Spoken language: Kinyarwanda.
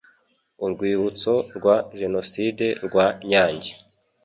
urwibutso rwa jenoside rwa nyange